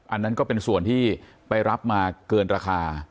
อันนั้นก็เป็นส่วนที่ไปรับมาเกินราคา